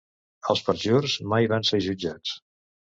Els perjurs mai van ser jutjats.